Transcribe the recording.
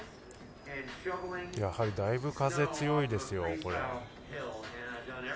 やはりだいぶ風強いですよ。